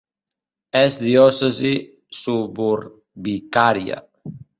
És diòcesi suburbicària.